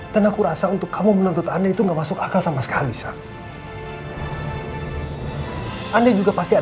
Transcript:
dan aku rasa untuk kamu menuntut anda itu gak masuk akal sama sekali sa